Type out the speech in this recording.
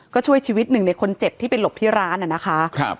ก็ช่วยชีวิตหนึ่งในคนเจ็บที่ไปหลบที่ร้านน่ะนะคะ